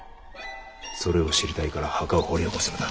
それを知りたいから墓を掘り起こすのだ。